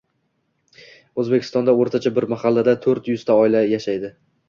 O‘zbekistonda o‘rtacha bir mahallada to'rt yuzta oila yashaydi.